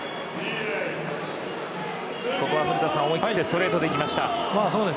ここは古田さん、思い切ってストレートできました。